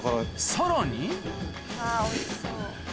さらにおいしそう。